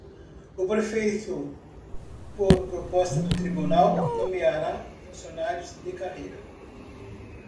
O prefeito, por proposta do Tribunal, nomeará funcionários de carreira.